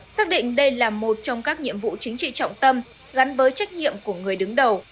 xác định đây là một trong các nhiệm vụ chính trị trọng tâm gắn với trách nhiệm của người đứng đầu